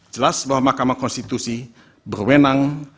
jelas bahwa mahkamah konstitusi berwenang